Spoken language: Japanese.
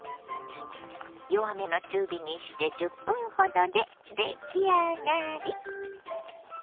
弱めの中火にして１０分ほどで出来上がり。